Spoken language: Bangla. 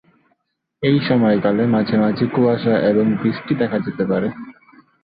এই সময়কালে মাঝে মাঝে কুয়াশা এবং বৃষ্টি দেখা যেতে পারে।